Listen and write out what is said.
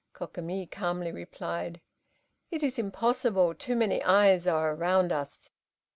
Kokimi calmly replied, "It is impossible, too many eyes are around us!"